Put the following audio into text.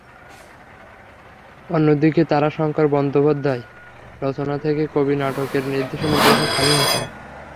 অন্যদিকে তারাশঙ্কর বন্দ্যোপাধ্যায়ের রচনা থেকে কবি নাটকের নির্দেশনা দিয়েছেন শামীম হাসান।